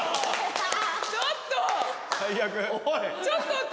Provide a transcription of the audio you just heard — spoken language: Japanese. ちょっと！